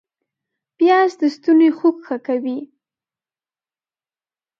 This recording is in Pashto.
پیاز د ستوني خوږ ښه کوي